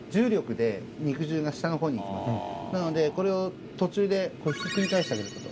なのでこれを途中でひっくり返してあげること。